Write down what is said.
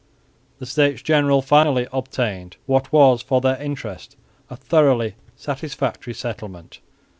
The States General finally obtained what was for their interest a thoroughly satisfactory settlement.